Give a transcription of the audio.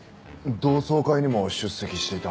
同窓会にも出席していた。